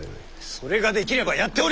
それができればやっております！